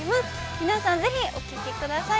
皆さん、ぜひお聞きください。